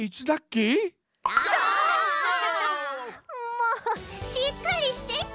もうしっかりしてち！